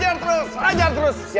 rey hajar terus rey